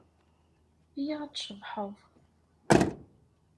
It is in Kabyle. Iyya ad tceḍḥeḍ!